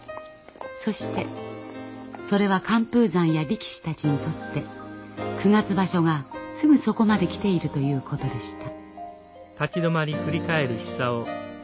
そしてそれは寒風山や力士たちにとって九月場所がすぐそこまで来ているということでした。